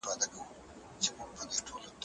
ولي ملي سوداګر طبي درمل له چین څخه واردوي؟